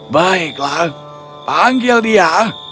baiklah panggil dia